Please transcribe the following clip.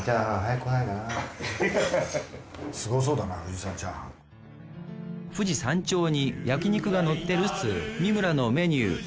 富士山頂に焼肉がのってるっつう三村のメニュー。